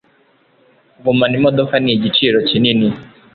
Kugumana imodoka nigiciro kinini.